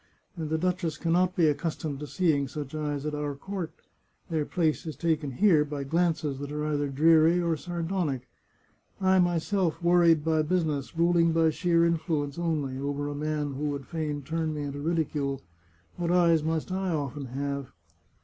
And the duchess can not be accustomed to seeing such eyes at our court. Their place is taken here by glances that are either dreary or sardonic. I myself, worried by business, ruling by sheer influence only, over a man who would fain turn me into ridicule — what eyes must I often have